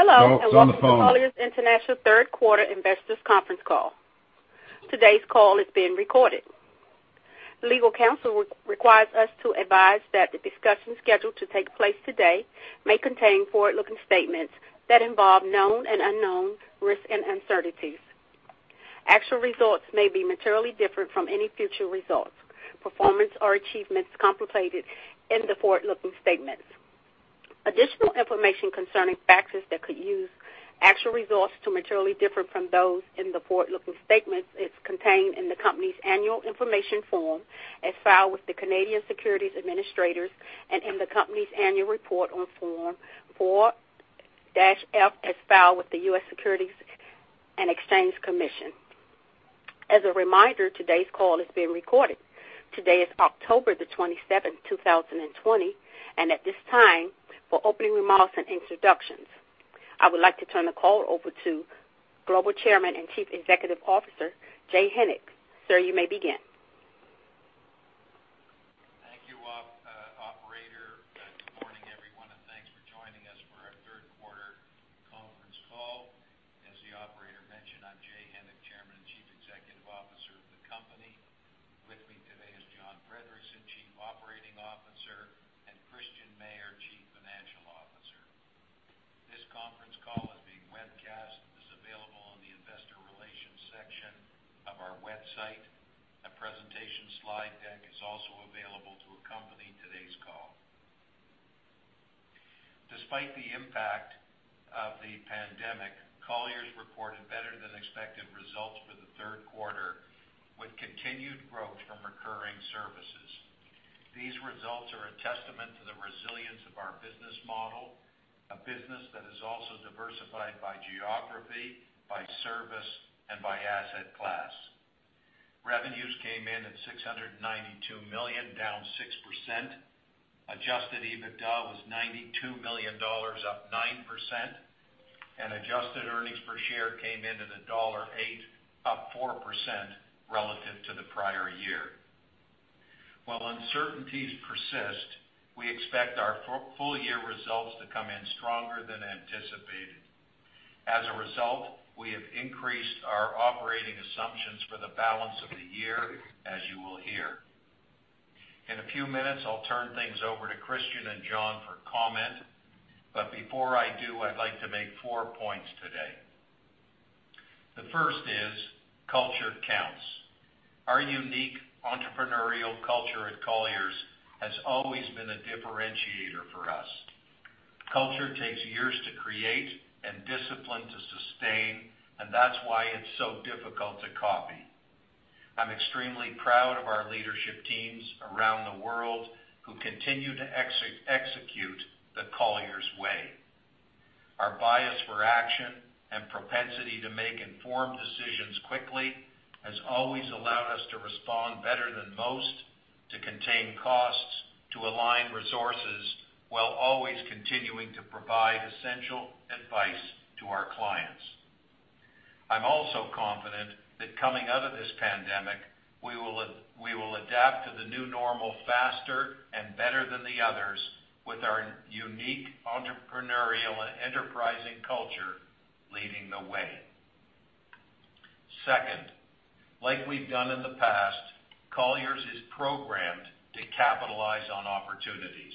Hello- No, it is on the phone. Welcome to Colliers International third quarter investors conference call. Today's call is being recorded. Legal counsel requires us to advise that the discussion scheduled to take place today may contain forward-looking statements that involve known and unknown risks and uncertainties. Actual results may be materially different from any future results, performance, or achievements contemplated in the forward-looking statements. Additional information concerning factors that could use actual results to materially differ from those in the forward-looking statements is contained in the company's annual information form as filed with the Canadian Securities Administrators and in the company's annual report on Form 40-F as filed with the U.S. Securities and Exchange Commission. As a reminder, today's call is being recorded. Today is October 27th, 2020, and at this time, for opening remarks and introductions, I would like to turn the call over to Global Chairman and Chief Executive Officer, Jay Hennick. Sir, you may begin. Thank you, operator. Good morning, everyone, and thanks for joining us for our third quarter conference call. As the operator mentioned, I'm Jay Hennick, Chairman and Chief Executive Officer of the company. With me today is John Friedrichsen, Chief Operating Officer, and Christian Mayer, Chief Financial Officer. This conference call is being webcast and is available on the investor relations section of our website. A presentation slide deck is also available to accompany today's call. Despite the impact of the pandemic, Colliers reported better than expected results for the third quarter, with continued growth from recurring services. These results are a testament to the resilience of our business model, a business that is also diversified by geography, by service, and by asset class. Revenues came in at $692 million, down 6%. Adjusted EBITDA was $92 million, up 9%, and adjusted earnings per share came in at $1.08, up 4% relative to the prior year. While uncertainties persist, we expect our full year results to come in stronger than anticipated. As a result, we have increased our operating assumptions for the balance of the year, as you will hear. In a few minutes, I'll turn things over to Christian and John for comment. Before I do, I'd like to make four points today. The first is culture counts. Our unique entrepreneurial culture at Colliers has always been a differentiator for us. Culture takes years to create and discipline to sustain, and that's why it's so difficult to copy. I'm extremely proud of our leadership teams around the world who continue to execute the Colliers way. Our bias for action and propensity to make informed decisions quickly has always allowed us to respond better than most, to contain costs, to align resources, while always continuing to provide essential advice to our clients. I'm also confident that coming out of this pandemic, we will adapt to the new normal faster and better than the others with our unique entrepreneurial and enterprising culture leading the way. Second, like we've done in the past, Colliers is programmed to capitalize on opportunities.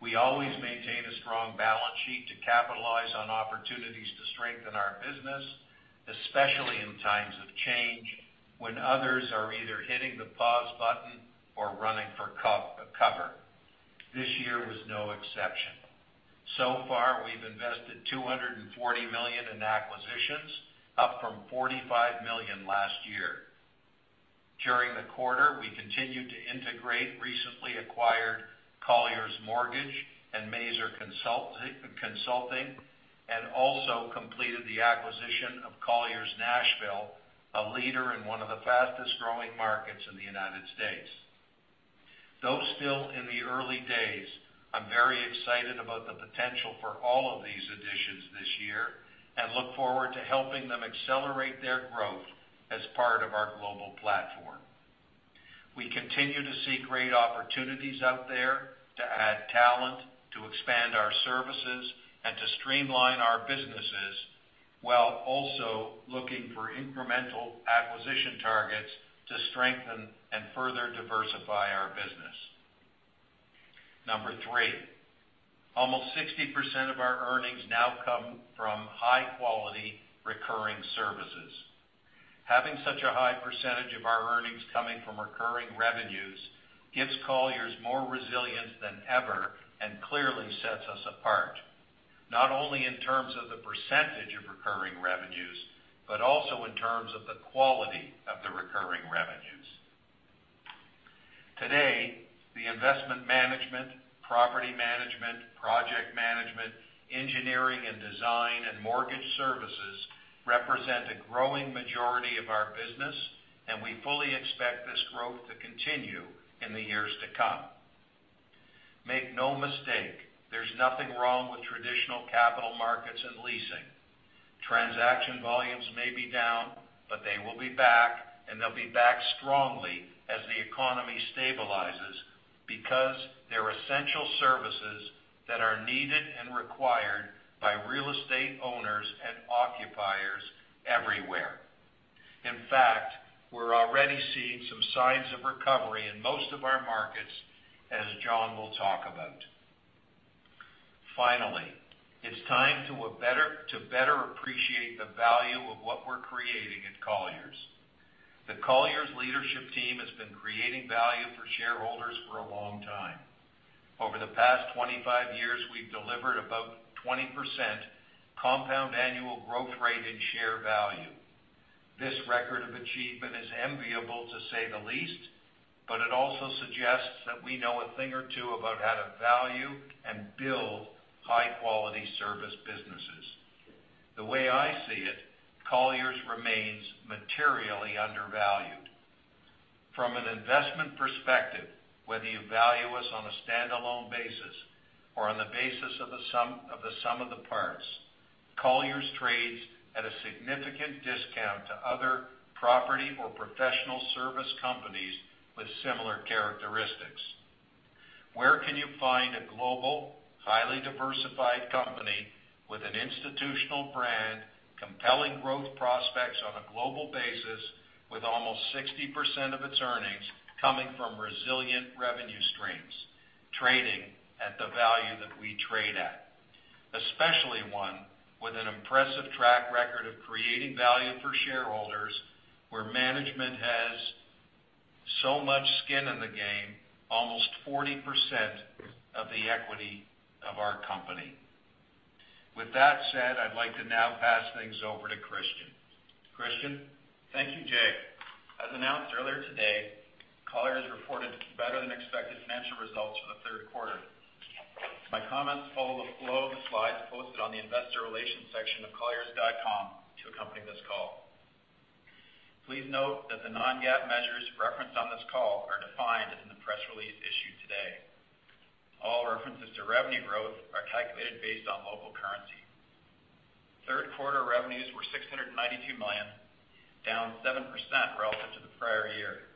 We always maintain a strong balance sheet to capitalize on opportunities to strengthen our business, especially in times of change, when others are either hitting the pause button or running for cover. This year was no exception. So far, we've invested $240 million in acquisitions, up from $45 million last year. During the quarter, we continued to integrate recently acquired Colliers Mortgage and Maser Consulting, and also completed the acquisition of Colliers Nashville, a leader in one of the fastest-growing markets in the U.S. Though still in the early days, I'm very excited about the potential for all of these additions this year and look forward to helping them accelerate their growth as part of our global platform. We continue to see great opportunities out there to add talent, to expand our services, and to streamline our businesses, while also looking for incremental acquisition targets to strengthen and further diversify our business. Number three, almost 60% of our earnings now come from high-quality recurring services. Having such a high percentage of our earnings coming from recurring revenues gives Colliers more resilience than ever and clearly sets us apart, not only in terms of the percentage of recurring revenues, but also in terms of the quality of the recurring revenues. Today, the investment management, property management, project management, engineering and design, and mortgage services represent a growing majority of our business, and we fully expect this growth to continue in the years to come. Make no mistake, there's nothing wrong with traditional capital markets and leasing. Transaction volumes may be down, but they will be back, and they'll be back strongly as the economy stabilizes because they're essential services that are needed and required by real estate owners and occupiers everywhere. In fact, we're already seeing some signs of recovery in most of our markets, as John will talk about. Finally, it's time to better appreciate the value of what we're creating at Colliers. The Colliers leadership team has been creating value for shareholders for a long time. Over the past 25 years, we've delivered about 20% compound annual growth rate in share value. This record of achievement is enviable to say the least, but it also suggests that we know a thing or two about how to value and build high-quality service businesses. The way I see it, Colliers remains materially undervalued. From an investment perspective, whether you value us on a standalone basis or on the basis of the sum of the parts, Colliers trades at a significant discount to other property or professional service companies with similar characteristics. Where can you find a global, highly diversified company with an institutional brand, compelling growth prospects on a global basis, with almost 60% of its earnings coming from resilient revenue streams, trading at the value that we trade at? Especially one with an impressive track record of creating value for shareholders, where management has so much skin in the game, almost 40% of the equity of our company. With that said, I'd like to now pass things over to Christian. Christian? Thank you, Jay. As announced earlier today, Colliers reported better-than-expected financial results for the third quarter. My comments follow the flow of the slides posted on the investor relations section of colliers.com to accompany this call. Please note that the Non-GAAP measures referenced on this call are defined in the press release issued today. All references to revenue growth are calculated based on local currency. Third quarter revenues were $692 million, down 7% relative to the prior year.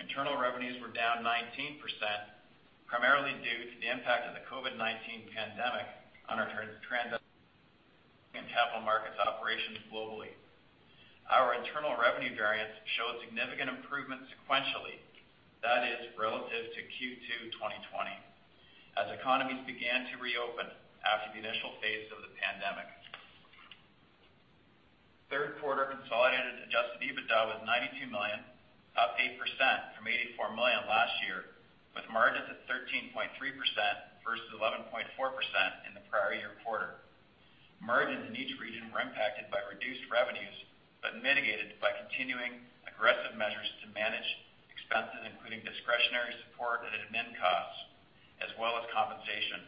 Internal revenues were down 19%, primarily due to the impact of the COVID-19 pandemic on our trans and capital markets operations globally. Our internal revenue variance showed significant improvement sequentially. That is, relative to Q2 2020, as economies began to reopen after the initial phase of the pandemic. Third quarter consolidated adjusted EBITDA was $92 million, up 8% from $84 million last year, with margins at 13.3% versus 11.4% in the prior year quarter. Margins in each region were impacted by reduced revenues, but mitigated by continuing aggressive measures to manage expenses, including discretionary support and admin costs, as well as compensation.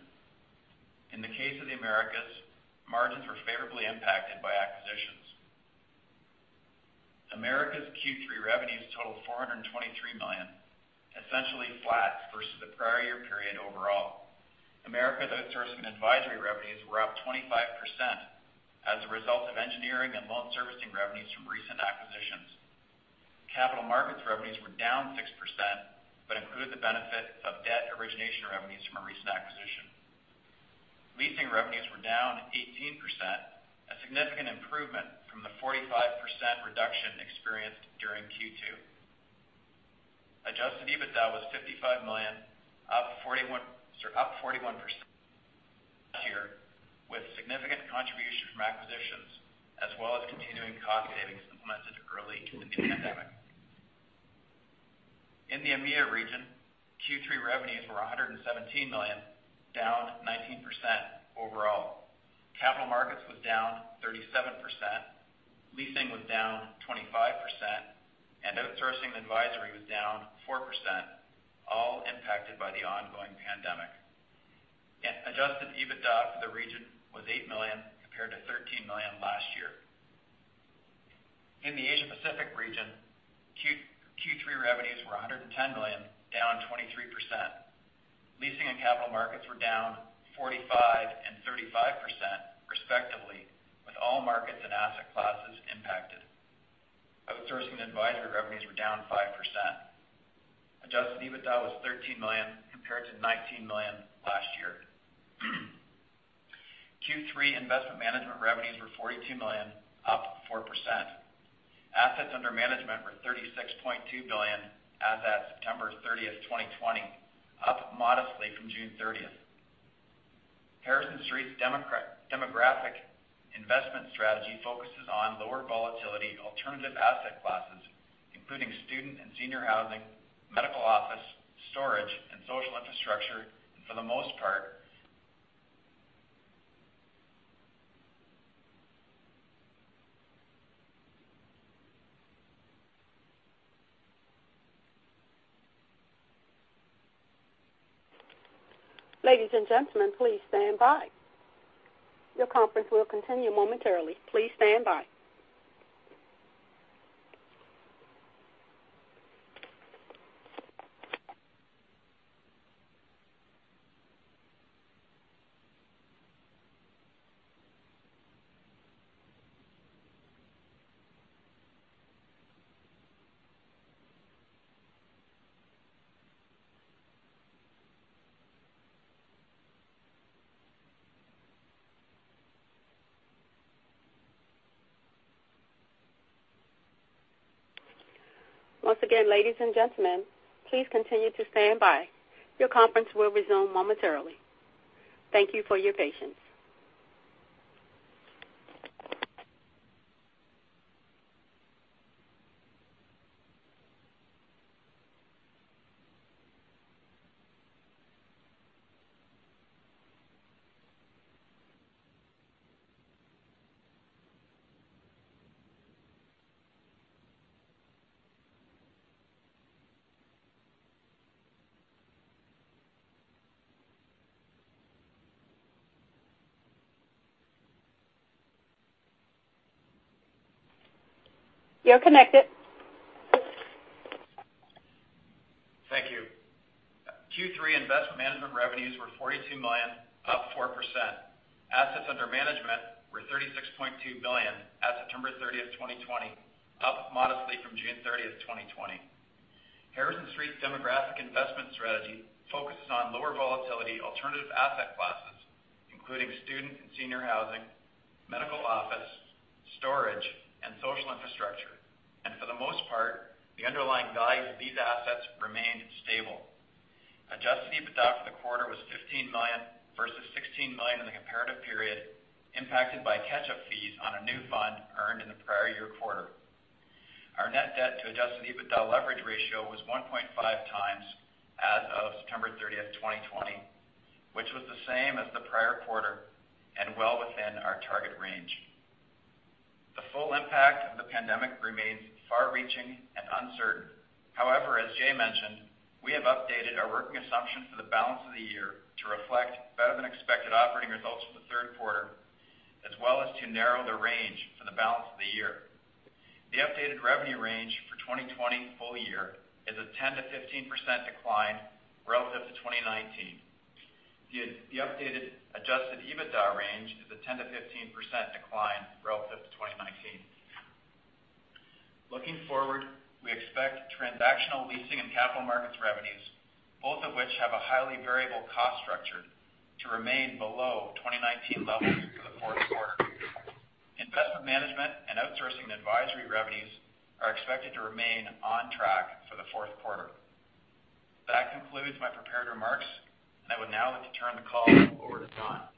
In the case of the Americas, margins were favorably impacted by acquisitions. Americas' Q3 revenues totaled $423 million, essentially flat versus the prior year period overall. Americas outsourcing advisory revenues were up 25% as a result of engineering and loan servicing revenues from recent acquisitions. Capital markets revenues were down 6% but included the benefit of debt origination revenues from a recent acquisition. Leasing revenues were down 18%, a significant improvement from the 45% reduction experienced during Q2. Adjusted EBITDA was $55 million, up 41% last year, with significant contribution from acquisitions as well as continuing cost savings implemented early in the pandemic. In the EMEA region, Q3 revenues were $117 million, down 19% overall. Capital markets was down 37%, leasing was down 25%, Outsourcing advisory was down 4%, all impacted by the ongoing pandemic. Adjusted EBITDA for the region was $8 million compared to $13 million last year. In the Asia Pacific region, Q3 revenues were $110 million, down 23%. Leasing and capital markets were down 45% and 35%, respectively, with all markets and asset classes impacted. Outsourcing advisory revenues were down 5%. Adjusted EBITDA was $13 million compared to $19 million last year. Q3 investment management revenues were $42 million, up 4%. Assets under management were $36.2 billion as at September 30th, 2020, up modestly from June 30th. Harrison Street's demographic investment strategy focuses on lower volatility alternative asset classes, including student and senior housing, medical office, storage, and social infrastructure. Ladies and gentlemen, please stand by. Your conference will continue momentarily. Please stand by. Once again, ladies and gentlemen, please continue to stand by. Your conference will resume momentarily. Thank you for your patience. You're connected. Thank you. Q3 investment management revenues were $42 million, up 4%. Assets under management were $36.2 billion as of September 30th, 2020, up modestly from June 30th, 2020. Harrison Street's demographic investment strategy focuses on lower volatility alternative asset classes, including student and senior housing, medical office, storage, and social infrastructure. For the most part, the underlying values of these assets remained stable. Adjusted EBITDA for the quarter was $15 million versus $16 million in the comparative period, impacted by catch-up fees on a new fund earned in the prior year quarter. Our net debt to adjusted EBITDA leverage ratio was 1.5 times as of September 30th, 2020, which was the same as the prior quarter and well within our target range. The full impact of the pandemic remains far-reaching and uncertain. However, as Jay mentioned, we have updated our working assumptions for the balance of the year to reflect better-than-expected operating results for the third quarter, as well as to narrow the range for the balance of the year. The updated revenue range for 2020 full year is a 10%-15% decline relative to 2019. The updated adjusted EBITDA range is a 10%-15% decline relative to 2019. Looking forward, we expect transactional leasing and capital markets revenues, both of which have a highly variable cost structure, to remain below 2019 levels for the fourth quarter. Investment management and outsourcing advisory revenues are expected to remain on track for the fourth quarter. That concludes my prepared remarks, and I would now like to turn the call over to John.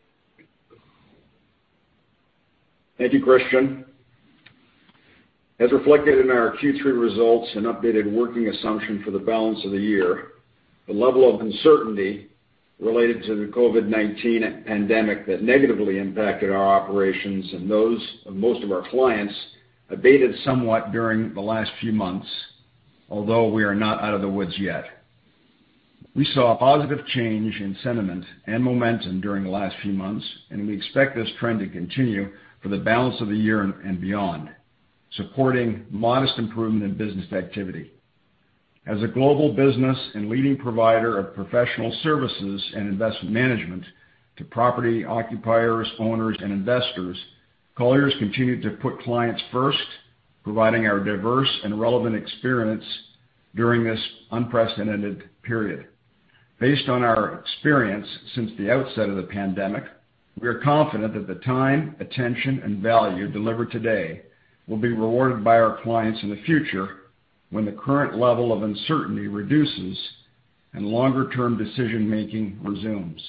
Thank you, Christian. As reflected in our Q3 results and updated working assumption for the balance of the year, the level of uncertainty related to the COVID-19 pandemic that negatively impacted our operations and those of most of our clients abated somewhat during the last few months, although we are not out of the woods yet. We saw a positive change in sentiment and momentum during the last few months, and we expect this trend to continue for the balance of the year and beyond, supporting modest improvement in business activity. As a global business and leading provider of professional services and investment management to property occupiers, owners, and investors, Colliers continued to put clients first, providing our diverse and relevant experience during this unprecedented period. Based on our experience since the outset of the pandemic, we are confident that the time, attention, and value delivered today will be rewarded by our clients in the future when the current level of uncertainty reduces and longer-term decision-making resumes.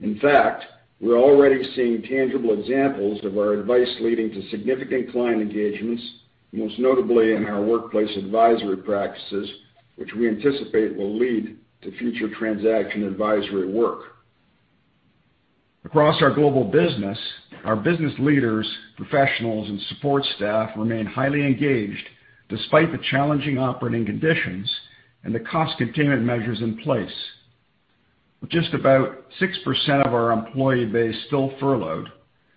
In fact, we're already seeing tangible examples of our advice leading to significant client engagements, most notably in our workplace advisory practices, which we anticipate will lead to future transaction advisory work. Across our global business, our business leaders, professionals, and support staff remain highly engaged despite the challenging operating conditions and the cost containment measures in place. With just about 6% of our employee base still furloughed,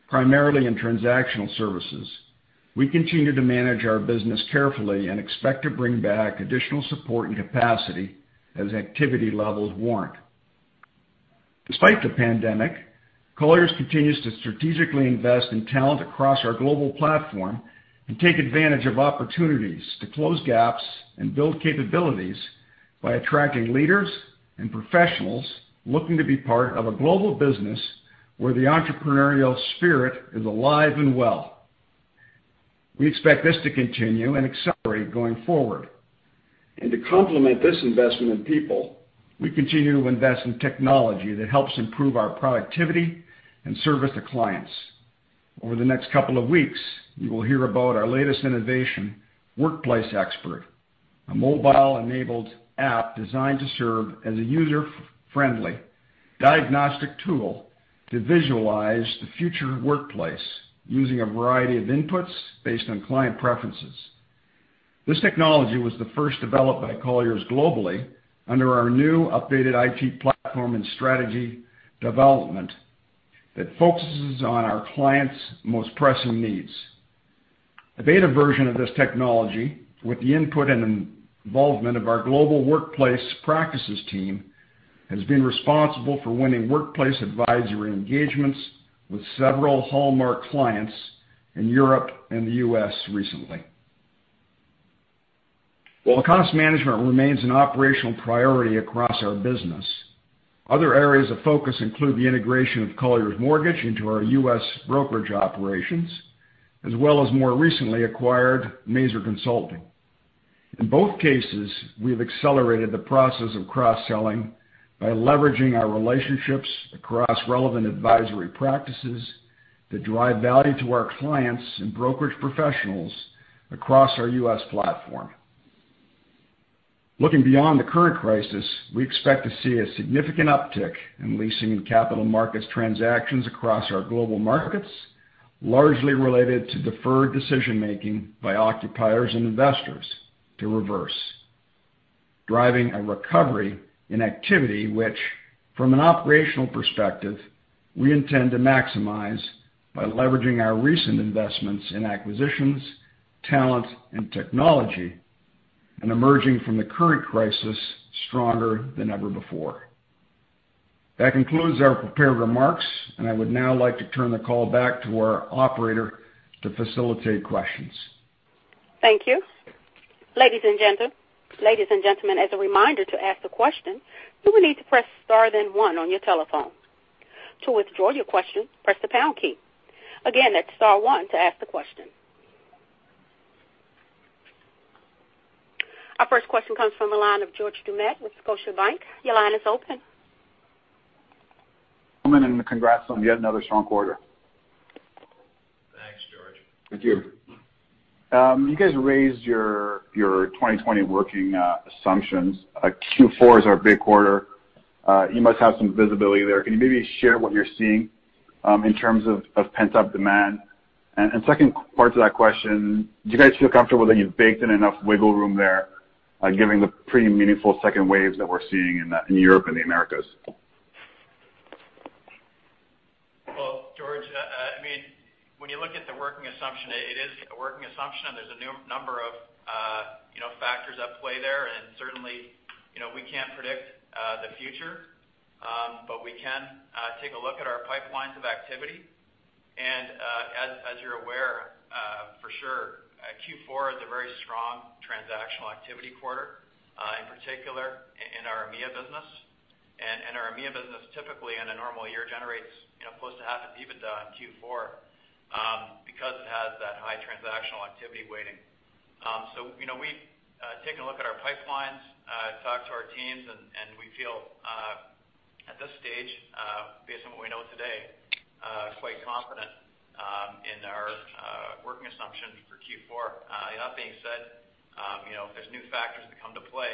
primarily in transactional services, we continue to manage our business carefully and expect to bring back additional support and capacity as activity levels warrant. Despite the pandemic, Colliers continues to strategically invest in talent across our global platform and take advantage of opportunities to close gaps and build capabilities by attracting leaders and professionals looking to be part of a global business where the entrepreneurial spirit is alive and well. To complement this investment in people, we continue to invest in technology that helps improve our productivity and service to clients. Over the next couple of weeks, you will hear about our latest innovation, Workplace Expert, a mobile-enabled app designed to serve as a user-friendly diagnostic tool to visualize the future workplace using a variety of inputs based on client preferences. This technology was the first developed by Colliers globally under our new updated IT platform and strategy development that focuses on our clients' most pressing needs. A beta version of this technology, with the input and involvement of our global workplace practices team, has been responsible for winning workplace advisory engagements with several hallmark clients in Europe and the U.S. recently. While cost management remains an operational priority across our business, other areas of focus include the integration of Colliers Mortgage into our U.S. brokerage operations, as well as more recently acquired Maser Consulting. In both cases, we've accelerated the process of cross-selling by leveraging our relationships across relevant advisory practices that drive value to our clients and brokerage professionals across our U.S. platform. Looking beyond the current crisis, we expect to see a significant uptick in leasing and capital markets transactions across our global markets, largely related to deferred decision-making by occupiers and investors to reverse, driving a recovery in activity, which, from an operational perspective, we intend to maximize by leveraging our recent investments in acquisitions, talent, and technology, and emerging from the current crisis stronger than ever before. That concludes our prepared remarks. I would now like to turn the call back to our operator to facilitate questions. Thank you. Ladies and gentlemen, as a reminder, to ask a question, you will need to press star then one on your telephone. To withdraw your question, press the pound key. Again, that's star one to ask the question. Our first question comes from the line of George Doumet with Scotiabank. Your line is open. Congrats on yet another strong quarter. Thanks, George. Thank you. You guys raised your 2020 working assumptions. Q4 is our big quarter. You must have some visibility there. Can you maybe share what you're seeing in terms of pent-up demand? Second part to that question, do you guys feel comfortable that you've baked in enough wiggle room there, given the pretty meaningful second waves that we're seeing in Europe and the Americas? Well, George, when you look at the working assumption, it is a working assumption, there's a number of factors at play there. Certainly, we can't predict the future. We can take a look at our pipelines of activity. As you're aware, for sure, Q4 is a very strong transactional activity quarter, in particular in our EMEA business. Our EMEA business typically, in a normal year, generates close to half of EBITDA in Q4 because it has that high transactional activity weighting. We've taken a look at our pipelines, talked to our teams, and we feel, at this stage, based on what we know today, quite confident in our working assumption for Q4. That being said, if there's new factors that come to play,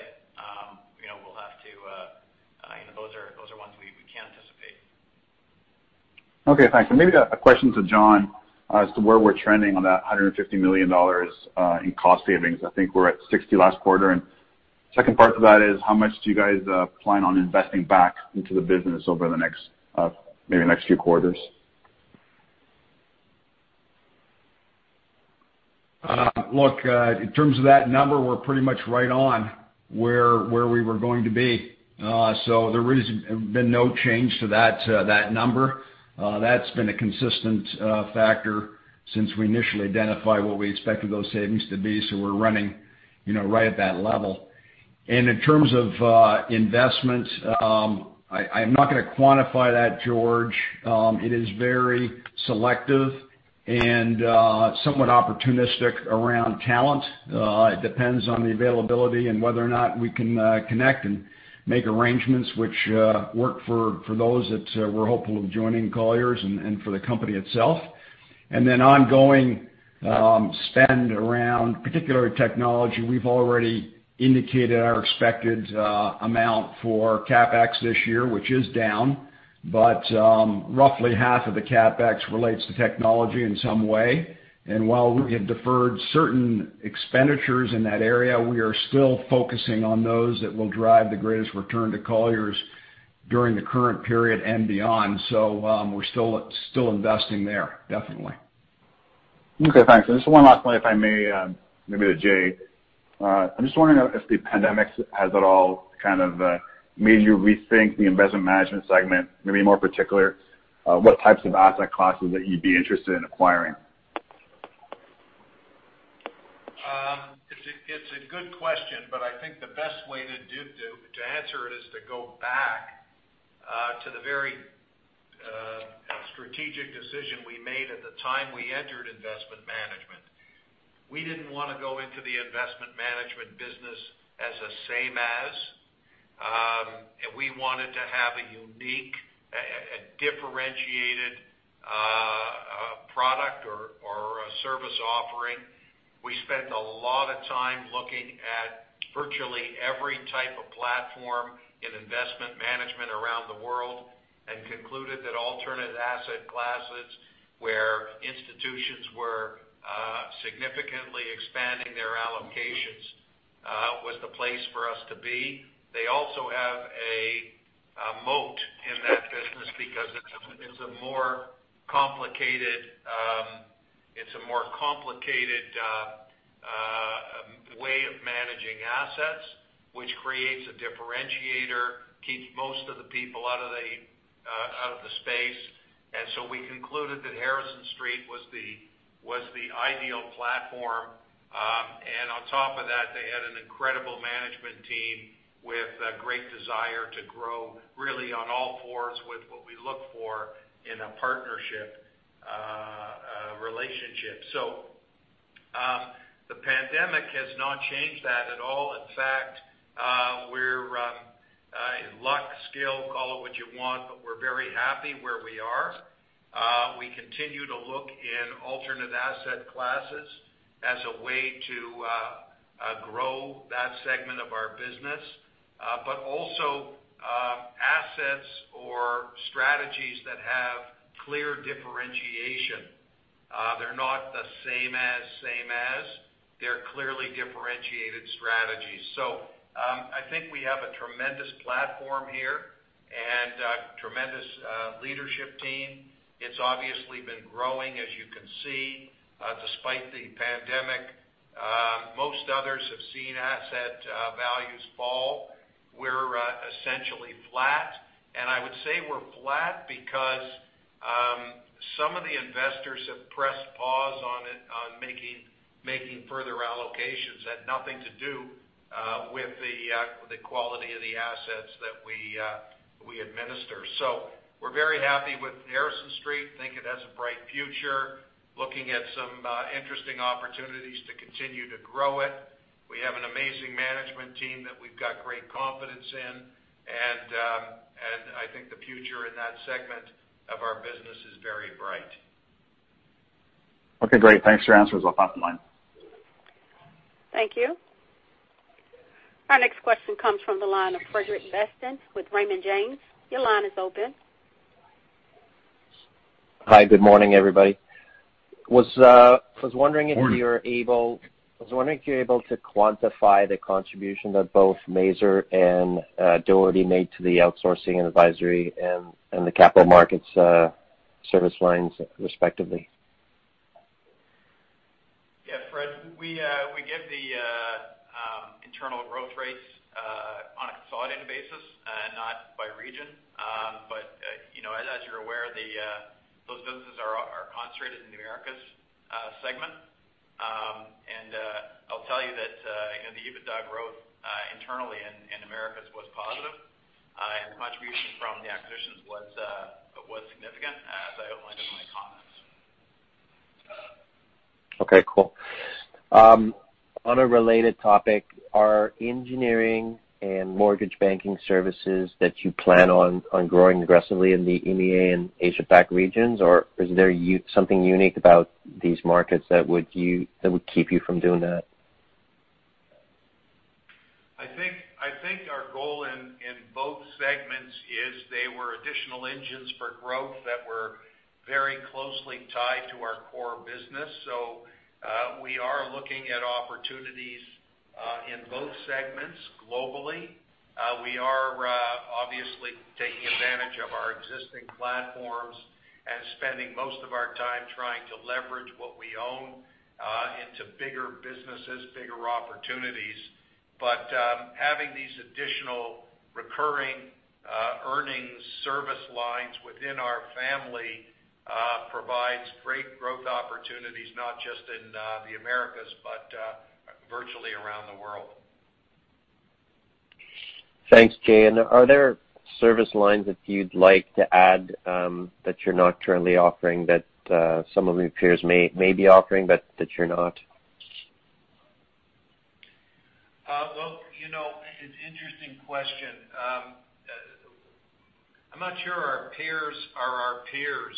those are ones we can't anticipate. Okay, thanks. Maybe a question to John as to where we're trending on that $150 million in cost savings? I think we're at $60 million last quarter. Second part to that is how much do you guys plan on investing back into the business over maybe the next few quarters? Look, in terms of that number, we're pretty much right on where we were going to be. There has been no change to that number. That's been a consistent factor since we initially identified what we expected those savings to be, so we're running right at that level. In terms of investments, I am not going to quantify that, George Doumet. It is very selective and somewhat opportunistic around talent. It depends on the availability and whether or not we can connect and make arrangements which work for those that we're hopeful of joining Colliers and for the company itself. Then ongoing spend around particular technology. We've already indicated our expected amount for CapEx this year, which is down. Roughly half of the CapEx relates to technology in some way. While we have deferred certain expenditures in that area, we are still focusing on those that will drive the greatest return to Colliers during the current period and beyond. We're still investing there, definitely. Okay, thanks. Just one last one, if I may. Maybe to Jay. I'm just wondering if the pandemic has it all kind of made you rethink the investment management segment? Maybe more particular, what types of asset classes that you'd be interested in acquiring? It's a good question, but I think the best way to answer it is to go back to the very strategic decision we made at the time we entered investment management. We didn't want to go into the investment management business as a same as. We wanted to have a unique, differentiated product or a service offering. We spent a lot of time looking at virtually every type of platform in investment management around the world and concluded that alternate asset classes, where institutions were significantly expanding their allocations, was the place for us to be. They also have a moat Because it's a more complicated way of managing assets, which creates a differentiator, keeps most of the people out of the space. We concluded that Harrison Street was the ideal platform. On top of that, they had an incredible management team with a great desire to grow really on all fours with what we look for in a partnership relationship. The pandemic has not changed that at all. In fact, luck, skill, call it what you want, but we're very happy where we are. We continue to look in alternate asset classes as a way to grow that segment of our business. Also assets or strategies that have clear differentiation. They're not the same as. They're clearly differentiated strategies. I think we have a tremendous platform here and a tremendous leadership team. It's obviously been growing, as you can see, despite the pandemic. Most others have seen asset values fall. We're essentially flat, and I would say we're flat because some of the investors have pressed pause on making further allocations. Had nothing to do with the quality of the assets that we administer. We're very happy with Harrison Street, think it has a bright future. Looking at some interesting opportunities to continue to grow it. We have an amazing management team that we've got great confidence in, and I think the future in that segment of our business is very bright. Okay, great. Thanks for your answers. I'll pass the line. Thank you. Our next question comes from the line of Frederic Bastien with Raymond James. Your line is open. Hi, good morning, everybody. Morning. I was wondering if you're able to quantify the contribution that both Maser and Dougherty made to the outsourcing and advisory and the capital markets service lines, respectively. Yeah, Fred, we give the internal growth rates on a consolidated basis, not by region. As you're aware, those businesses are concentrated in the Americas segment. I'll tell you that the EBITDA growth internally in Americas was positive, and the contribution from the acquisitions was significant, as I outlined in my comments. Okay, cool. On a related topic, are engineering and mortgage banking services that you plan on growing aggressively in the EMEA and Asia Pac regions, or is there something unique about these markets that would keep you from doing that? I think our goal in both segments is they were additional engines for growth that were very closely tied to our core business. We are looking at opportunities in both segments globally. We are obviously taking advantage of our existing platforms and spending most of our time trying to leverage what we own into bigger businesses, bigger opportunities. Having these additional recurring earnings service lines within our family provides great growth opportunities, not just in the Americas, but virtually around the world. Thanks, Jay. Are there service lines that you'd like to add that you're not currently offering, that some of your peers may be offering, but that you're not? Well, it's interesting question. I am not sure our peers are our peers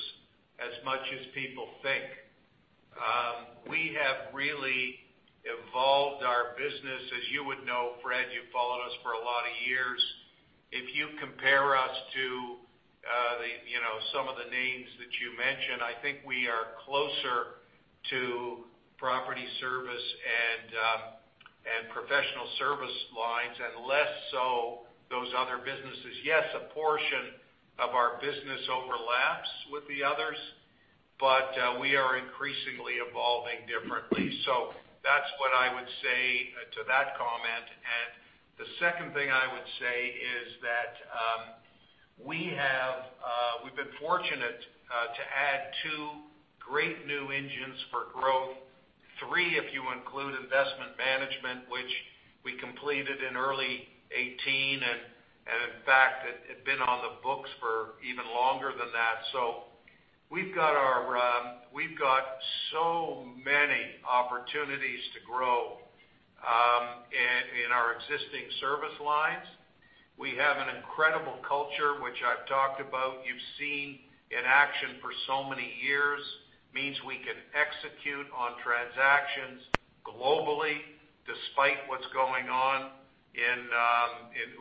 as much as people think. We have really evolved our business. As you would know, Fred, you've followed us for a lot of years. If you compare us to some of the names that you mentioned, I think we are closer to property service and professional service lines, and less so those other businesses. Yes, a portion of our business overlaps with the others, but we are increasingly evolving differently. That's what I would say to that comment. The second thing I would say is that we've been fortunate to add two great new engines for growth. Three, if you include investment management, which we completed in early 2018, and in fact, it had been on the books for even longer than that. We've got so many opportunities to grow in our existing service lines. We have an incredible culture, which I've talked about, you've seen in action for so many years. Means we can execute on transactions globally despite what's going on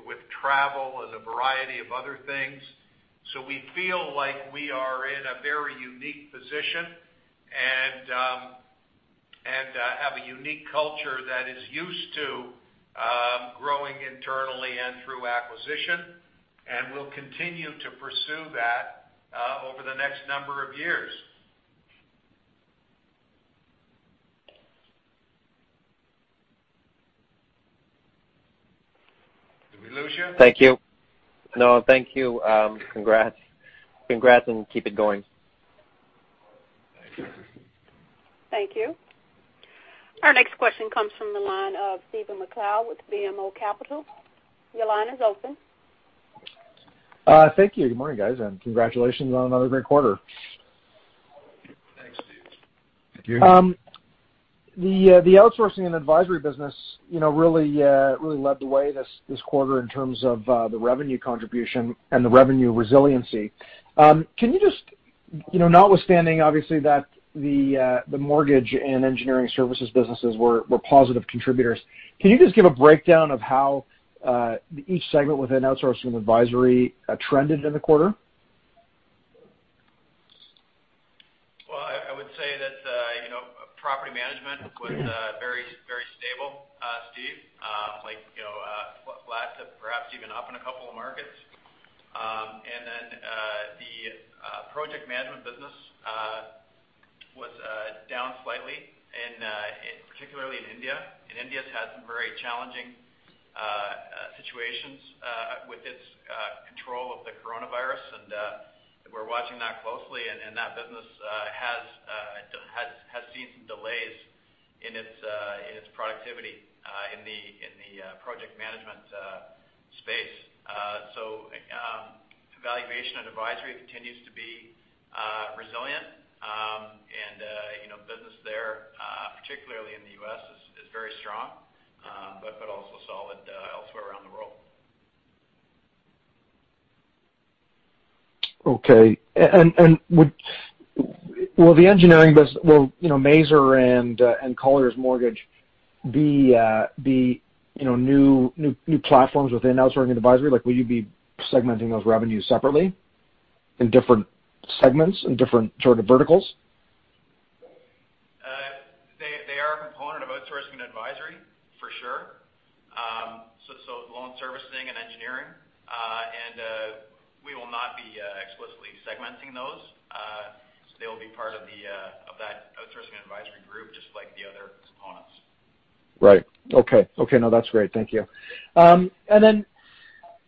with travel and a variety of other things. We feel like we are in a very unique position. Culture that is used to growing internally and through acquisition, and we'll continue to pursue that over the next number of years. Did we lose you? Thank you. No, thank you. Congrats, and keep it going. Thanks. Thank you. Our next question comes from the line of Stephen MacLeod with BMO Capital. Your line is open. Thank you. Good morning, guys, and congratulations on another great quarter. Thanks, Steve. Thank you. The outsourcing and advisory business really led the way this quarter in terms of the revenue contribution and the revenue resiliency. Notwithstanding, obviously, that the mortgage and engineering services businesses were positive contributors, can you just give a breakdown of how each segment within outsourcing and advisory trended in the quarter? I would say that property management was very stable, Steve, flat to perhaps even up in a couple of markets. The project management business was down slightly, and particularly in India. India's had some very challenging situations with its control of the coronavirus, and we're watching that closely. That business has seen some delays in its productivity in the project management space. Valuation and advisory continues to be resilient. Business there, particularly in the U.S., is very strong, also solid elsewhere around the world. Okay. Will Maser and Colliers Mortgage be new platforms within outsourcing and advisory? Will you be segmenting those revenues separately in different segments, in different sort of verticals? They are a component of outsourcing and advisory, for sure, loan servicing and engineering. We will not be explicitly segmenting those. They'll be part of that outsourcing advisory group, just like the other components. Right. Okay. No, that's great. Thank you.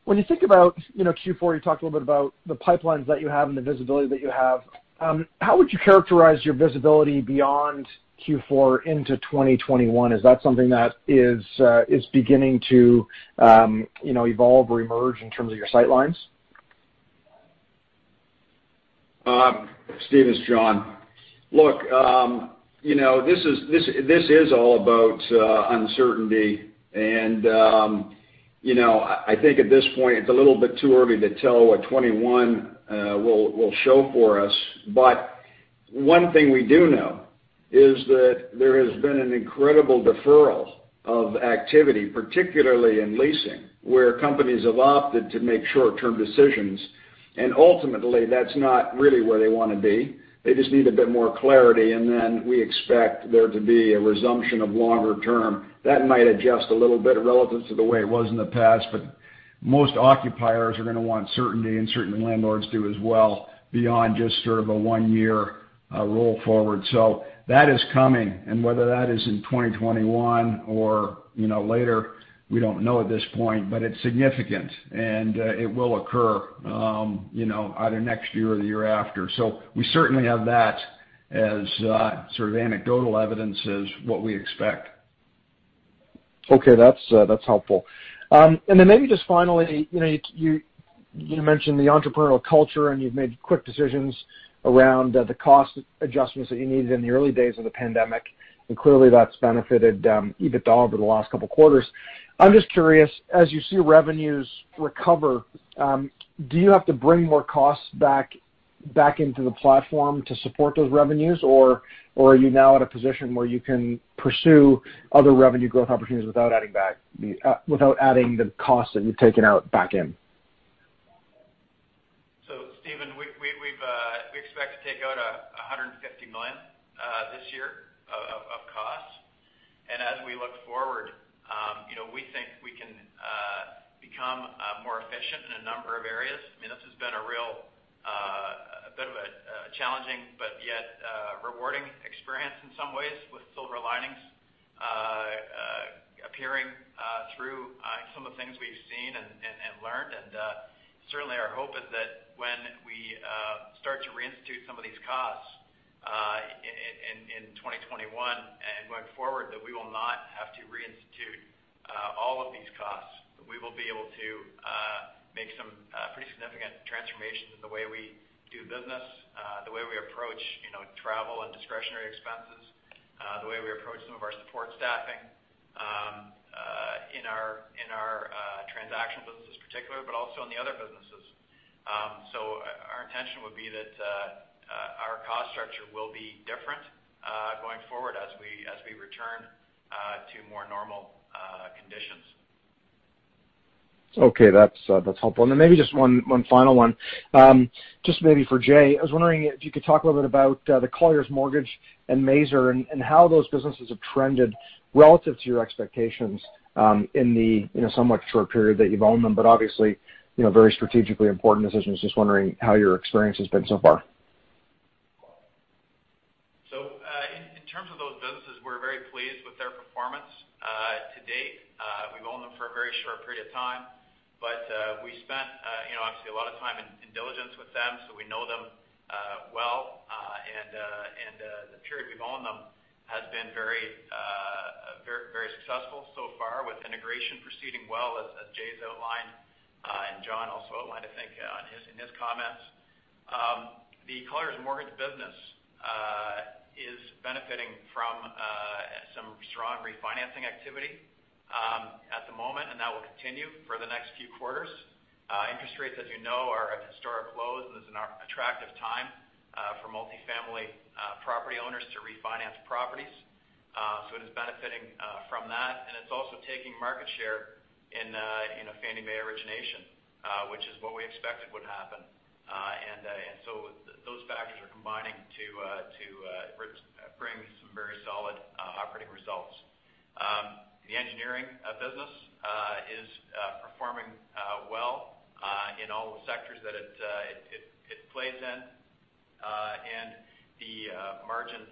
When you think about Q4, you talked a little bit about the pipelines that you have and the visibility that you have. How would you characterize your visibility beyond Q4 into 2021? Is that something that is beginning to evolve or emerge in terms of your sight lines? Stephen, it's John. Look. This is all about uncertainty. I think at this point, it's a little bit too early to tell what 2021 will show for us. One thing we do know is that there has been an incredible deferral of activity, particularly in leasing, where companies have opted to make short-term decisions. Ultimately, that's not really where they want to be. They just need a bit more clarity, and then we expect there to be a resumption of longer term. That might adjust a little bit relative to the way it was in the past, but most occupiers are going to want certainty, and certainly landlords do as well, beyond just sort of a one-year roll forward. That is coming. Whether that is in 2021 or later, we don't know at this point, but it's significant. It will occur either next year or the year after. We certainly have that as sort of anecdotal evidence as what we expect. Okay, that's helpful. Then maybe just finally, you mentioned the entrepreneurial culture, and you've made quick decisions around the cost adjustments that you needed in the early days of the pandemic. Clearly that's benefited EBITDA over the last couple of quarters. I'm just curious, as you see revenues recover, do you have to bring more costs back into the platform to support those revenues? Or are you now at a position where you can pursue other revenue growth opportunities without adding the cost that you've taken out back in? Stephen, we expect to take out $150 million this year of costs. As we look forward, we think we can become more efficient in a number of areas. This has been a real bit of a challenging but yet rewarding experience in some ways with silver linings appearing through some of the things we've seen and learned. Certainly our hope is that when we start to reinstitute some of these costs in 2021 and going forward, that we will not have to reinstitute all of these costs. That we will be able to make some pretty significant transformations in the way we do business, the way we approach travel and discretionary expenses, the way we approach some of our support staffing in our transaction businesses particularly, but also in the other businesses. Our intention would be that our cost structure will be different going forward as we return to more normal conditions. Okay, that's helpful. Maybe just one final one. Just maybe for Jay. I was wondering if you could talk a little bit about the Colliers Mortgage and Maser and how those businesses have trended relative to your expectations in the somewhat short period that you've owned them, but obviously, very strategically important decisions. Just wondering how your experience has been so far. In terms of those businesses, we're very pleased with their performance to date. We've owned them for a very short period of time, but we spent obviously a lot of time in diligence with them, so we know them well. The period we've owned them has been very successful so far with integration proceeding well as Jay's outlined, and John also outlined, I think, in his comments. The Colliers Mortgage business is benefiting from some strong refinancing activity at the moment, and that will continue for the next few quarters. Interest rates, as you know, are at historic lows, and it's an attractive time for multifamily property owners to refinance properties. It is benefiting from that, and it's also taking market share in Fannie Mae origination, which is what we expected would happen. Those factors are combining to bring some very solid operating results. The engineering business is performing well in all the sectors that it plays in. The margin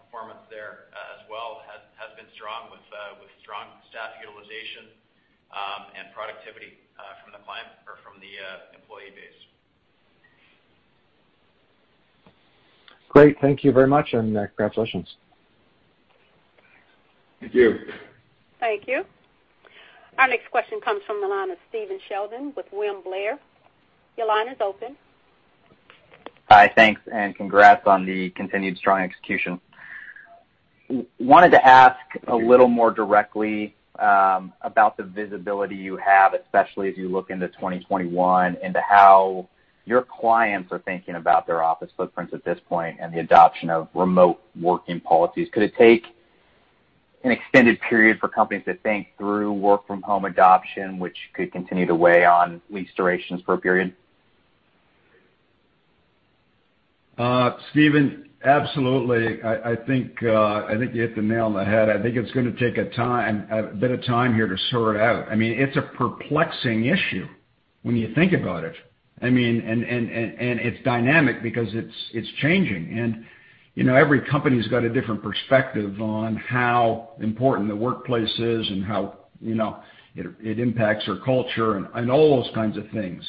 performance there as well has been strong with strong staff utilization, and productivity from the employee base. Great. Thank you very much, and congratulations. Thank you. Thank you. Our next question comes from the line of Stephen Sheldon with William Blair. Your line is open. Hi, thanks, and congrats on the continued strong execution. Wanted to ask a little more directly about the visibility you have, especially as you look into 2021, into how your clients are thinking about their office footprints at this point and the adoption of remote working policies. Could it take an extended period for companies to think through work-from-home adoption, which could continue to weigh on lease durations for a period? Stephen, absolutely. I think you hit the nail on the head. I think it's going to take a bit of time here to sort out. It's a perplexing issue when you think about it. It's dynamic because it's changing. Every company's got a different perspective on how important the workplace is and how it impacts their culture and all those kinds of things.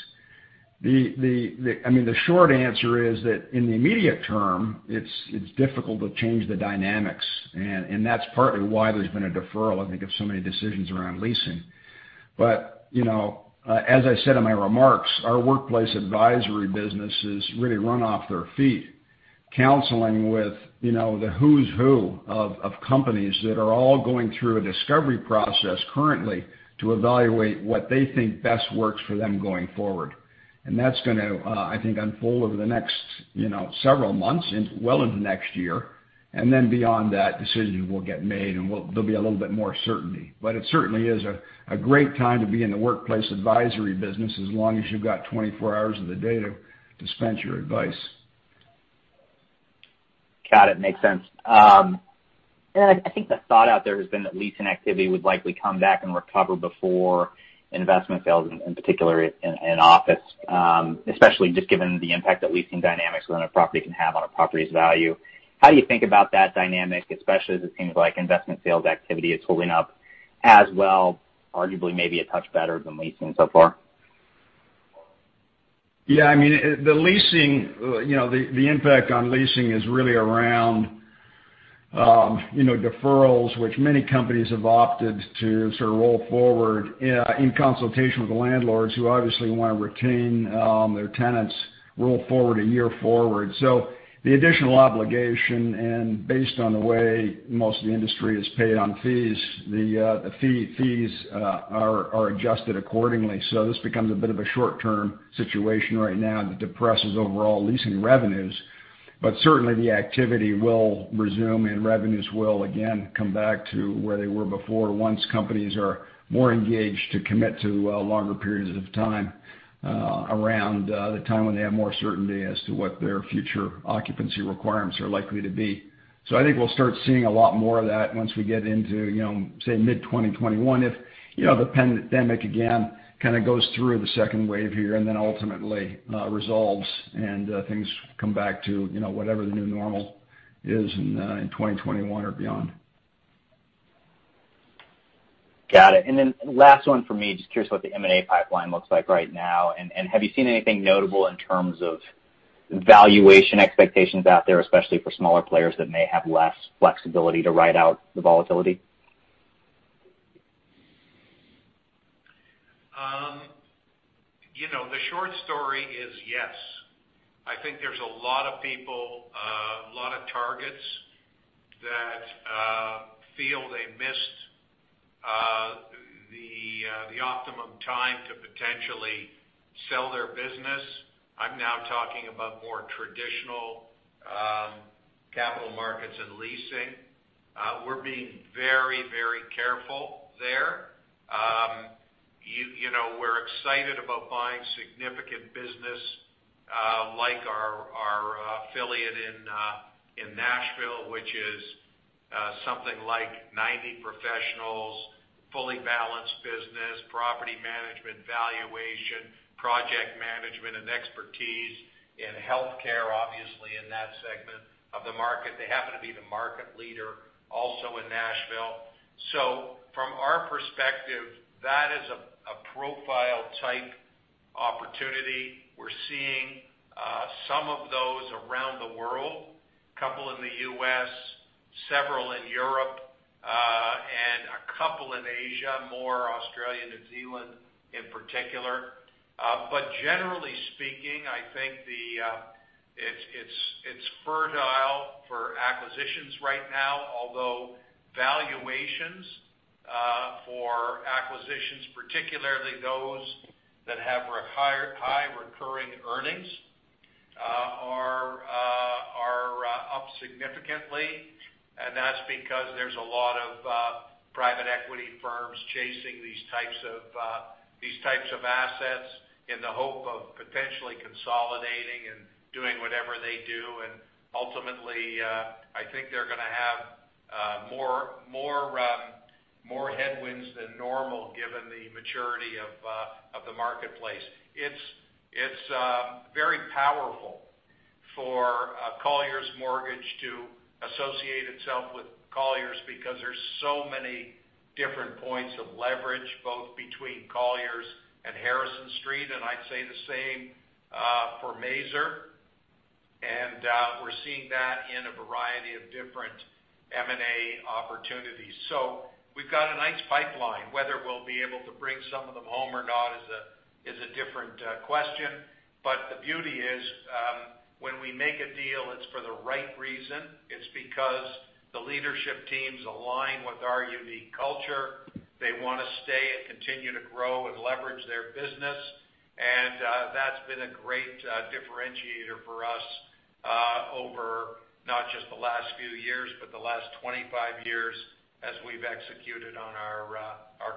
The short answer is that in the immediate term, it's difficult to change the dynamics, and that's partly why there's been a deferral, I think, of so many decisions around leasing. As I said in my remarks, our workplace advisory business is really run off their feet, counseling with the who's who of companies that are all going through a discovery process currently to evaluate what they think best works for them going forward. That's going to, I think, unfold over the next several months and well into next year. Then beyond that, decisions will get made, and there'll be a little bit more certainty. It certainly is a great time to be in the workplace advisory business as long as you've got 24 hours of the day to dispense your advice. Got it. Makes sense. I think the thought out there has been that leasing activity would likely come back and recover before investment sales, in particular in office, especially just given the impact that leasing dynamics on a property can have on a property's value. How do you think about that dynamic, especially as it seems like investment sales activity is holding up as well, arguably maybe a touch better than leasing so far? Yeah. The impact on leasing is really around deferrals, which many companies have opted to sort of roll forward in consultation with the landlords who obviously want to retain their tenants, roll forward a year forward. The additional obligation, and based on the way most of the industry is paid on fees, the fees are adjusted accordingly. This becomes a bit of a short-term situation right now that depresses overall leasing revenues. Certainly, the activity will resume, and revenues will again come back to where they were before once companies are more engaged to commit to longer periods of time around the time when they have more certainty as to what their future occupancy requirements are likely to be. I think we'll start seeing a lot more of that once we get into say mid-2021, if the pandemic again kind of goes through the second wave here and then ultimately resolves and things come back to whatever the new normal is in 2021 or beyond. Got it. Then last one from me, just curious what the M&A pipeline looks like right now, and have you seen anything notable in terms of valuation expectations out there, especially for smaller players that may have less flexibility to ride out the volatility? The short story is yes. I think there's a lot of people, a lot of targets that feel they missed the optimum time to potentially sell their business. I'm now talking about more traditional capital markets and leasing. We're being very careful there. We're excited about buying significant business like our affiliate in Nashville, which is something like 90 professionals, fully balanced business, property management valuation, project management, and expertise in healthcare, obviously in that segment of the market. They happen to be the market leader also in Nashville. From our perspective, that is a profile type opportunity. We're seeing some of those around the world, a couple in the U.S., several in Europe, and a couple in Asia, more Australia, New Zealand in particular. Generally speaking, I think it's fertile for acquisitions right now, although valuations for acquisitions, particularly those that have high recurring earnings, are up significantly. That's because there's a lot of private equity firms chasing these types of assets in the hope of potentially consolidating and doing whatever they do. Ultimately, I think they're going to have more headwinds than normal given the maturity of the marketplace. It's very powerful for Colliers Mortgage to associate itself with Colliers because there's so many different points of leverage, both between Colliers and Harrison Street, and I'd say the same for Maser. We're seeing that in a variety of different M&A opportunities. We've got a nice pipeline. Whether we'll be able to bring some of them home or not is a different question. The beauty is, when we make a deal, it's for the right reason. It's because the leadership teams align with our unique culture. They want to stay and continue to grow and leverage their business. That's been a great differentiator for us over not just the last few years, but the last 25 years as we've executed on our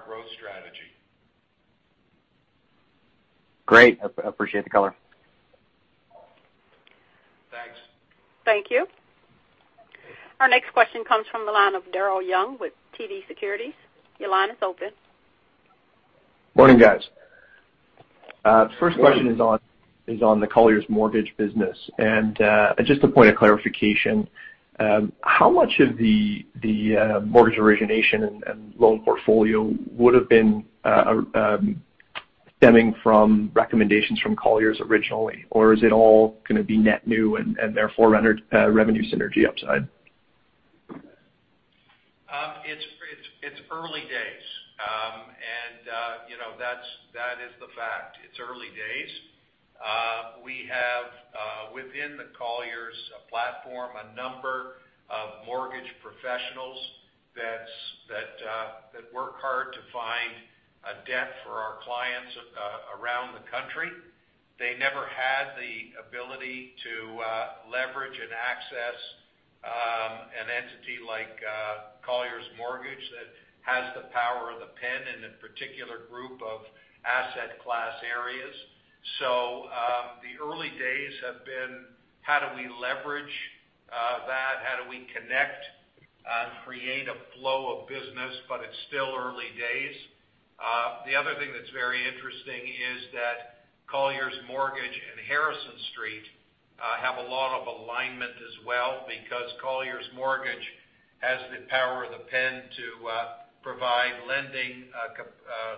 growth strategy. Great. I appreciate the color. Thanks. Thank you. Our next question comes from the line of Daryl Young with TD Securities. Your line is open. Morning, guys. First question is on the Colliers Mortgage business. Just a point of clarification, how much of the mortgage origination and loan portfolio would have been stemming from recommendations from Colliers originally, or is it all going to be net new and therefore revenue synergy upside? It's early days. That is the fact. It's early days. We have within the Colliers platform, a number of mortgage professionals that work hard to find debt for our clients around the country. They never had the ability to leverage and access an entity like Colliers Mortgage that has the power of the pen in a particular group of asset class areas. The early days have been how do we leverage that? How do we connect and create a flow of business? It's still early days. The other thing that's very interesting is that Colliers Mortgage and Harrison Street have a lot of alignment as well because Colliers Mortgage has the power of the pen to provide lending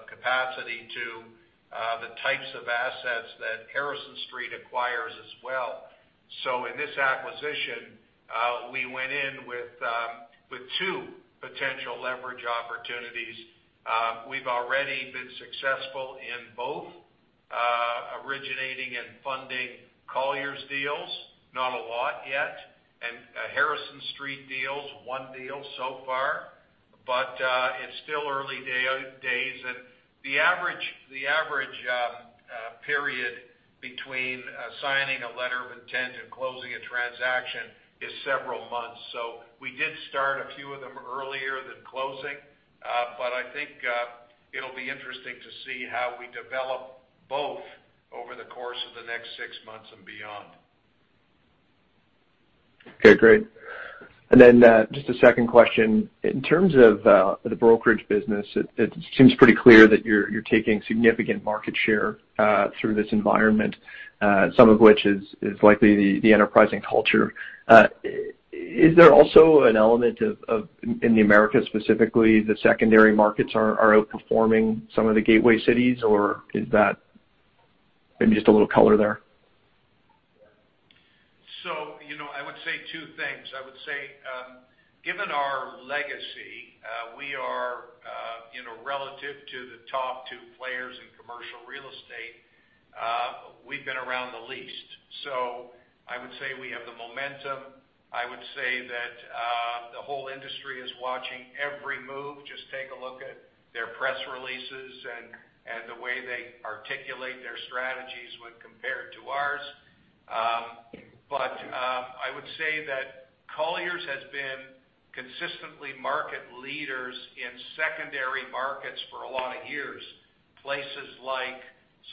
capacity to the types of assets that Harrison Street acquires as well. In this acquisition, we went in with two potential leverage opportunities. We've already been successful in both originating and funding Colliers deals, not a lot yet, and Harrison Street deals, one deal so far. It's still early days, and the average period between signing a letter of intent and closing a transaction is several months. We did start a few of them earlier than closing. I think it'll be interesting to see how we develop both over the course of the next six months and beyond. Okay, great. Just a second question. In terms of the brokerage business, it seems pretty clear that you're taking significant market share through this environment, some of which is likely the enterprising culture. Is there also an element of, in the Americas specifically, the secondary markets are outperforming some of the gateway cities, or is that maybe just a little color there? I would say two things. I would say, given our legacy, we are relative to the top two players in commercial real estate, we've been around the least. I would say we have the momentum. I would say that the whole industry is watching every move. Just take a look at their press releases and the way they articulate their strategies when compared to ours. I would say that Colliers has been consistently market leaders in secondary markets for a lot of years, places like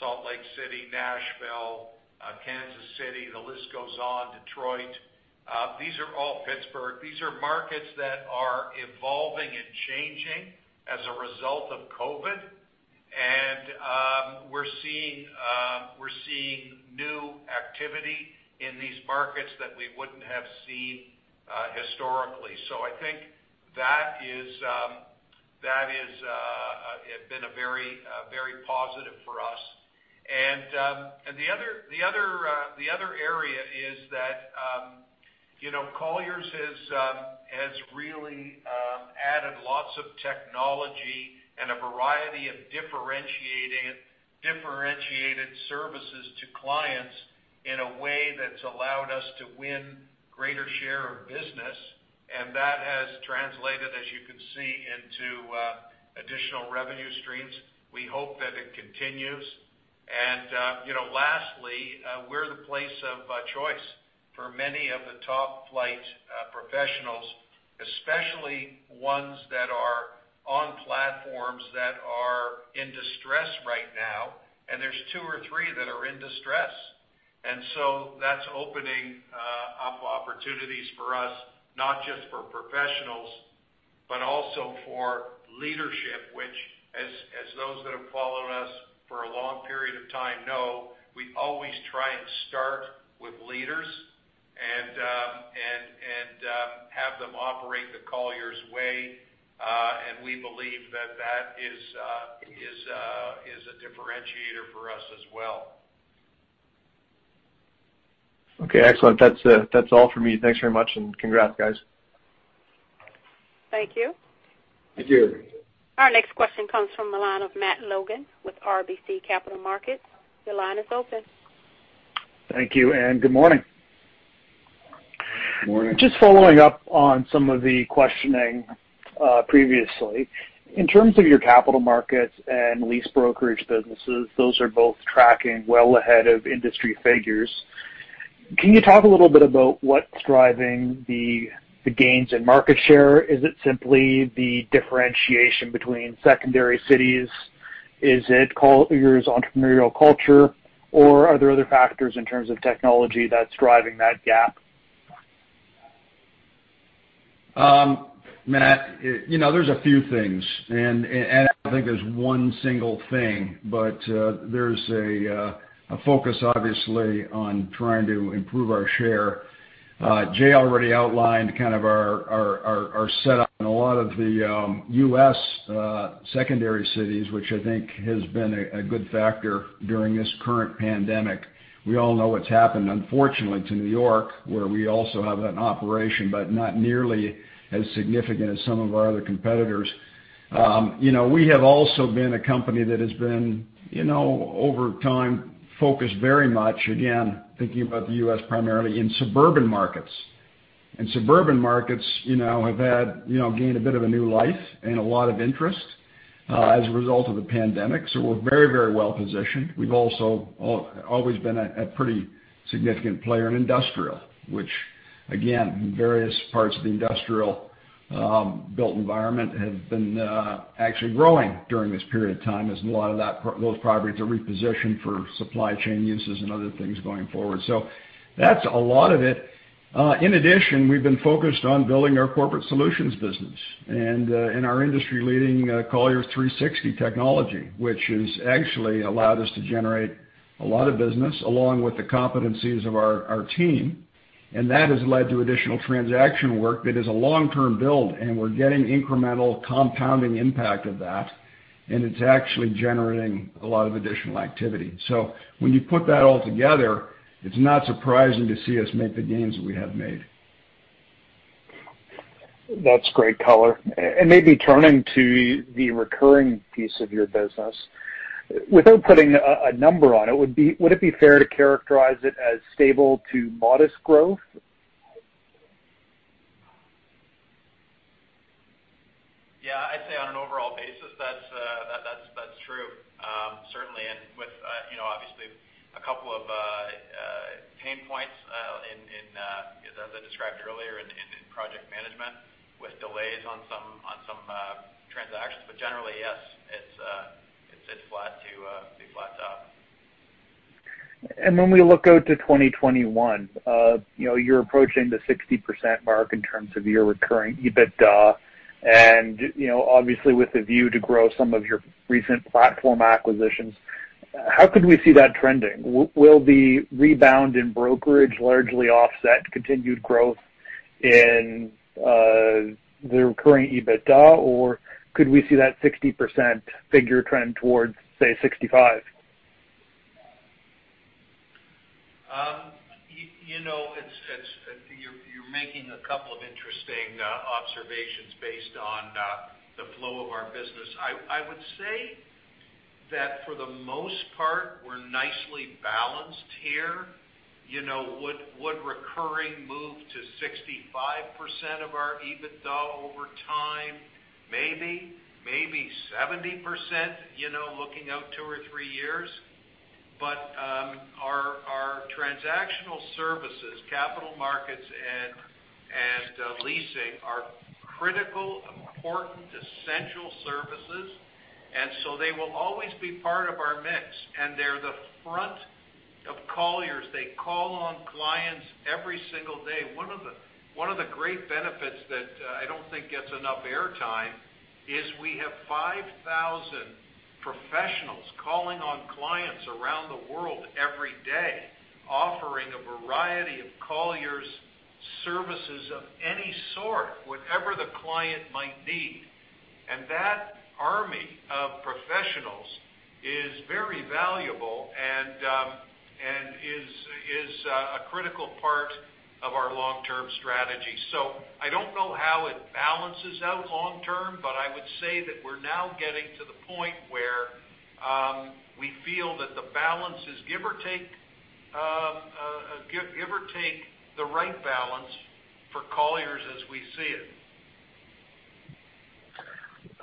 Salt Lake City, Nashville, Kansas City, the list goes on, Detroit. These are all Pittsburgh. These are markets that are evolving and changing as a result of COVID, and we're seeing new activity in these markets that we wouldn't have seen historically. I think that has been very positive for us. The other area is that Colliers has really added lots of technology and a variety of differentiated services to clients in a way that's allowed us to win greater share of business. That has translated, as you can see, into additional revenue streams. We hope that it continues. Lastly, we're the place of choice for many of the top-flight professionals, especially ones that are on platforms that are in distress right now, and there's two or three that are in distress. That's opening up opportunities for us, not just for professionals, but also for leadership, which, as those that have followed us for a long period of time know, we always try and start with leaders and have them operate the Colliers way. We believe that that is a differentiator for us as well. Okay, excellent. That's all for me. Thanks very much, and congrats, guys. Thank you. Thank you. Our next question comes from the line of Matt Logan with RBC Capital Markets. Your line is open. Thank you, and good morning. Morning. Just following up on some of the questioning previously. In terms of your capital markets and lease brokerage businesses, those are both tracking well ahead of industry figures. Can you talk a little bit about what's driving the gains in market share? Is it simply the differentiation between secondary cities? Is it Colliers' entrepreneurial culture, or are there other factors in terms of technology that's driving that gap? Matt, there's a few things, and I don't think there's one single thing, but there's a focus, obviously, on trying to improve our share. Jay already outlined kind of our setup in a lot of the U.S. secondary cities, which I think has been a good factor during this current pandemic. We all know what's happened, unfortunately, to New York, where we also have an operation, but not nearly as significant as some of our other competitors. We have also been a company that has been, over time, focused very much, again, thinking about the U.S. primarily in suburban markets. Suburban markets have gained a bit of a new life and a lot of interest as a result of the pandemic. We're very well positioned. We've also always been a pretty significant player in industrial, which again, various parts of the industrial built environment have been actually growing during this period of time as a lot of those properties are repositioned for supply chain uses and other things going forward. That's a lot of it. In addition, we've been focused on building our corporate solutions business and in our industry-leading Colliers360 technology, which has actually allowed us to generate a lot of business along with the competencies of our team. That has led to additional transaction work that is a long-term build, and we're getting incremental compounding impact of that, and it's actually generating a lot of additional activity. When you put that all together, it's not surprising to see us make the gains that we have made. That's great color. Maybe turning to the recurring piece of your business, without putting a number on it, would it be fair to characterize it as stable to modest growth? Yeah, I'd say on an overall basis, that's true. Certainly, and with obviously a couple of pain points, as I described earlier in project management with delays on some transactions. Generally, yes, it's flat to slightly up. When we look out to 2021, you're approaching the 60% mark in terms of your recurring EBITDA, and obviously with a view to grow some of your recent platform acquisitions. How could we see that trending? Will the rebound in brokerage largely offset continued growth in the recurring EBITDA, or could we see that 60% figure trend towards, say, 65%? You're making a couple of interesting observations based on the flow of our business. I would say that for the most part, we're nicely balanced here. Would recurring move to 65% of our EBITDA over time? Maybe 70%, looking out two or three years. Our transactional services, capital markets and leasing are critical, important, essential services, they will always be part of our mix. They're the front of Colliers. They call on clients every single day. One of the great benefits that I don't think gets enough air time is we have 5,000 professionals calling on clients around the world every day, offering a variety of Colliers services of any sort, whatever the client might need. That army of professionals is very valuable and is a critical part of our long-term strategy. I don't know how it balances out long term, but I would say that we're now getting to the point where we feel that the balance is give or take the right balance for Colliers as we see it.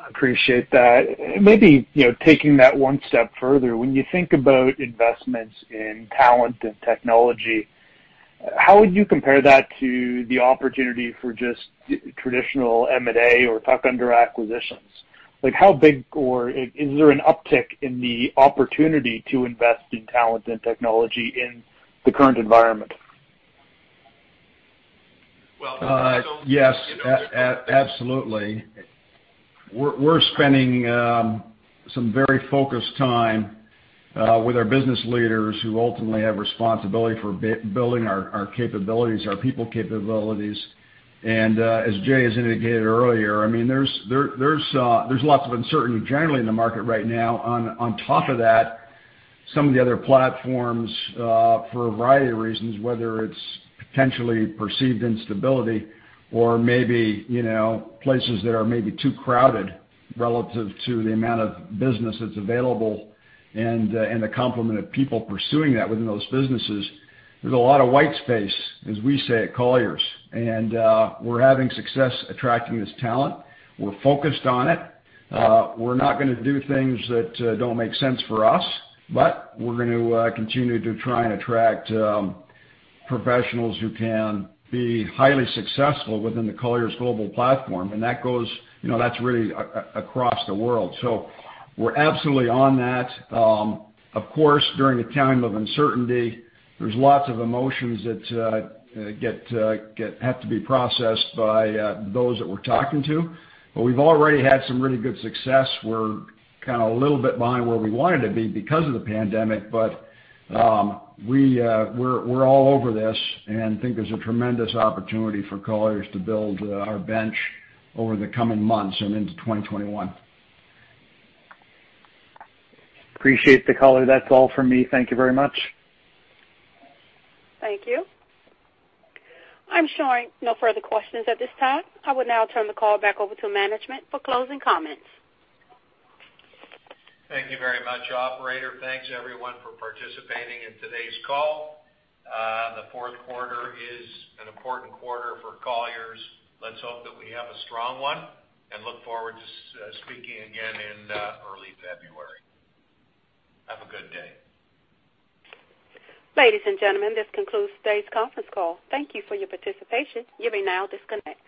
I appreciate that. Maybe, taking that one step further, when you think about investments in talent and technology, how would you compare that to the opportunity for just traditional M&A or tuck-under acquisitions? Like, how big, or is there an uptick in the opportunity to invest in talent and technology in the current environment? Well- Yes. Absolutely. We're spending some very focused time with our business leaders who ultimately have responsibility for building our capabilities, our people capabilities. As Jay has indicated earlier, there's lots of uncertainty generally in the market right now. On top of that, some of the other platforms, for a variety of reasons, whether it's potentially perceived instability or maybe places that are maybe too crowded relative to the amount of business that's available and the complement of people pursuing that within those businesses. There's a lot of white space, as we say at Colliers, and we're having success attracting this talent. We're focused on it. We're not going to do things that don't make sense for us, but we're going to continue to try and attract professionals who can be highly successful within the Colliers global platform. That's really across the world. We're absolutely on that. Of course, during a time of uncertainty, there's lots of emotions that have to be processed by those that we're talking to, but we've already had some really good success. We're kind of a little bit behind where we wanted to be because of the pandemic, but we're all over this and think there's a tremendous opportunity for Colliers to build our bench over the coming months and into 2021. Appreciate the color. That's all from me. Thank you very much. Thank you. I'm showing no further questions at this time. I will now turn the call back over to management for closing comments. Thank you very much, operator. Thanks everyone for participating in today's call. The fourth quarter is an important quarter for Colliers. Let's hope that we have a strong one and look forward to speaking again in early February. Have a good day. Ladies and gentlemen, this concludes today's conference call. Thank you for your participation. You may now disconnect.